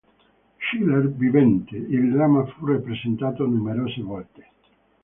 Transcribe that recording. Schiller vivente, il dramma fu rappresentato numerose volte.